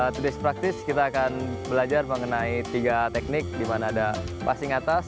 today's practice kita akan belajar mengenai tiga teknik dimana ada passing atas